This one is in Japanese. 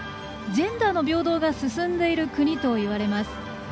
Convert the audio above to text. ジェンダーの平等が進んでいる国といわれます。